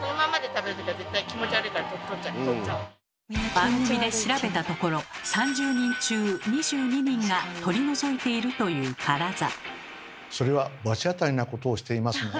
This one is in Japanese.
番組で調べたところ３０人中２２人が取り除いているというカラザ。